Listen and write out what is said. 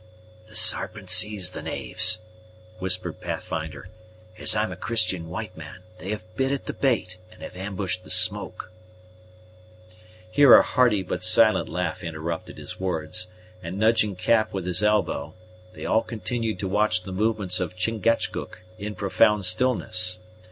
"The Sarpent sees the knaves!" whispered Pathfinder. "As I'm a Christian white man, they have bit at the bait, and have ambushed the smoke!" Here a hearty but silent laugh interrupted his words, and nudging Cap with his elbow, they all continued to watch the movements of Chingachgook in profound stillness.